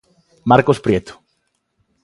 Marcos Prieto.